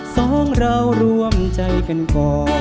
สองเราร่วมใจกันก่อน